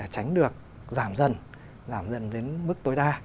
tránh được giảm dần giảm dần đến mức tối đa